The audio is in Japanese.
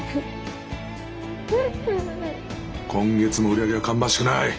今月も売り上げが芳しくない！